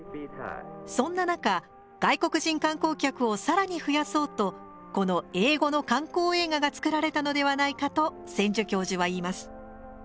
そんな中外国人観光客を更に増やそうとこの英語の観光映画が作られたのではないかと千住教授は言います。